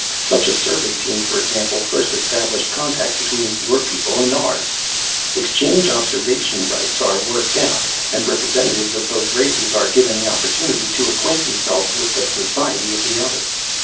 Such a survey team, for example, first established contact between your people and ours. Exchange observation rights are worked out, and representatives of both races are given the opportunity to acquaint themselves with the society of the other.